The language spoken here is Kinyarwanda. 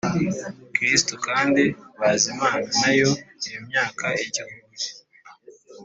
kristo kandi bazimana na yo iyo myaka igihumbi.